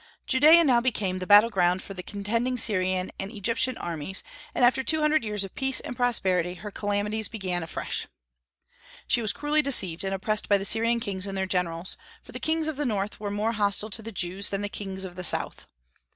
Judaea now became the battle ground for the contending Syrian and Egyptian armies, and after two hundred years of peace and prosperity her calamities began afresh. She was cruelly deceived and oppressed by the Syrian kings and their generals, for the "kings of the North" were more hostile to the Jews than the "kings of the South."